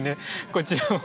こちらも。